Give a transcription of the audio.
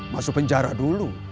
masuk penjara dulu